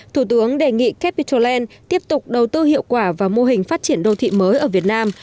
thủ tướng đề nghị capital land tiếp tục đầu tư hiệu quả vào mô hình phát triển đô thị mới ở việt nam